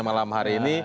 terima kasih pak